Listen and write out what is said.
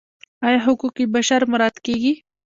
آیا حقوق بشر مراعات کیږي؟